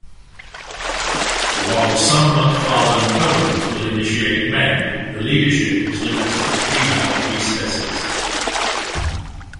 While some McFarland covens will initiate men, the leadership is limited to female priestesses.